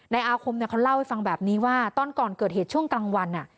อาคมเขาเล่าให้ฟังแบบนี้ว่าตอนก่อนเกิดเหตุช่วงกลางวัน